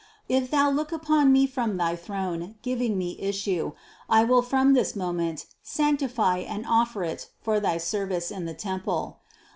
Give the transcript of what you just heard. If Thou look upon me from thy throne giving me issue, I will from this moment sanctify and offer it for thy service in the temple.